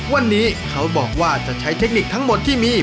วันนี้เขาบอกว่าจะใช้เทคนิคทั้งหมดที่มี